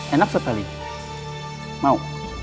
enak sekali mau